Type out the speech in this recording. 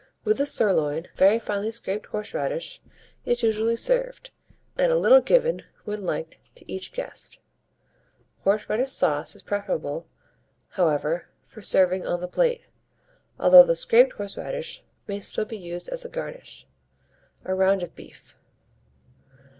With the sirloin, very finely scraped horseradish is usually served, and a little given, when liked, to each guest. Horseradish sauce is preferable, however, for serving on the plate, although the scraped horseradish may still be used as a garnish. A ROUND OF BEEF.